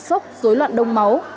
sốc dối loạn đông máu